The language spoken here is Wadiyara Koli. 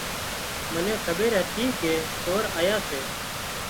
منين کٻير هتي ڪي سور آيا سي